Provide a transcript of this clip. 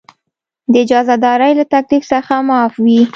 د اجاره دارۍ له تکلیف څخه معاف وي.